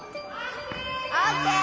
オッケー！